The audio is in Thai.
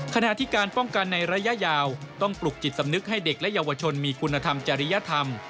ขณะที่การป้องกันในระยะยาวต้องปลุกจิตสำนึกให้เด็กและเยาวชนมีคุณธรรมจริยธรรม